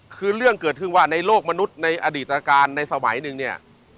คือเรื่องเกิดขึ้นว่าในโลกมนุษย์ในอดีตรการในสมัยหนึ่งเนี่ย